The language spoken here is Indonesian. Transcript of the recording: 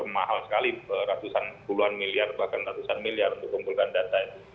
mahal sekali beratusan puluhan miliar atau ratusan miliar untuk mengumpulkan data itu